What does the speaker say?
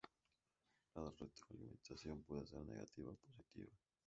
La retroalimentación puede ser negativa o positiva.